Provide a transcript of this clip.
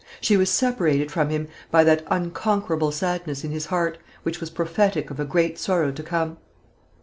She was separated from him by that unconquerable sadness in his heart, which was prophetic of a great sorrow to come.